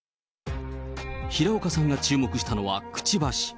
平岡さんが注目したのはくちばし。